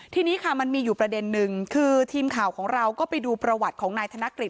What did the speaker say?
ทีนี้ค่ะมันมีอยู่ประเด็นนึงคือทีมข่าวของเราก็ไปดูประวัติของนายธนกฤษ